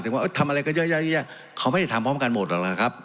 ว่าทำอะไรก็เยอะแยะเขาไม่ได้ทำพร้อมกันหมดหรอกนะครับ